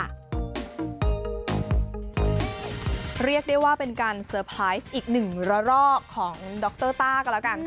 เรียกได้ว่าเป็นการเซอร์ไพรส์อีกหนึ่งระลอกของดรต้าก็แล้วกัน